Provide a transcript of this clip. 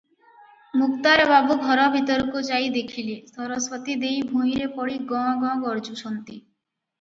ମୁକ୍ତାର ବାବୁ ଘର ଭିତରକୁ ଯାଇ ଦେଖିଲେ, ସରସ୍ୱତୀ ଦେଈ ଭୂଇଁରେ ପଡି ଗଁ ଗଁ ଗର୍ଜୁଛନ୍ତି ।